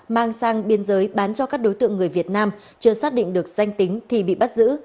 mang sang biên giới bán cho các đối tượng người việt nam chưa xác định được danh tính thì bị bắt giữ